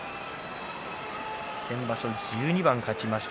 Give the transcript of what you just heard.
先場所１２番勝ちました。